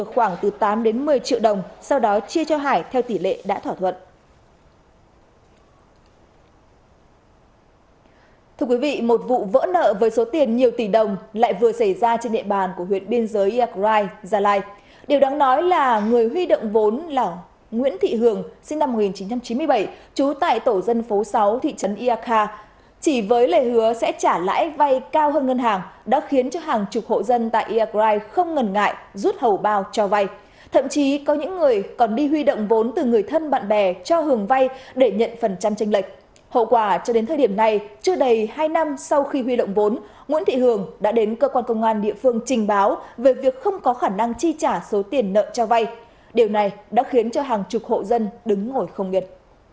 hậu quả cho đến thời điểm này chưa đầy hai năm sau khi huy động vốn nguyễn thị hường đã đến cơ quan công an địa phương trình báo về việc không có khả năng chi trả số tiền nợ cho vay điều này đã khiến cho hàng chục hộ dân đứng ngồi không yên